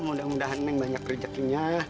mudah mudahan yang banyak rejekinya